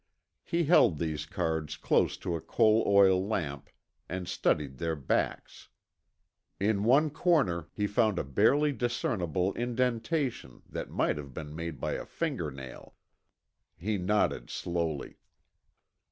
He held these cards close to a coal oil lamp and studied their backs. In one corner, he found a barely discernible indentation that might have been made by a fingernail. He nodded slowly.